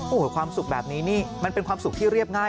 โอ้โหความสุขแบบนี้นี่มันเป็นความสุขที่เรียบง่าย